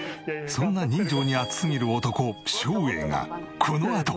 そんな人情に厚すぎる男照英がこのあと。